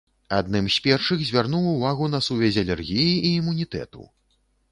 Адным з першых звярнуў увагу на сувязь алергіі і імунітэту.